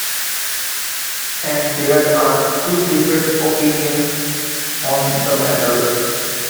And there are two different opinions on the matter.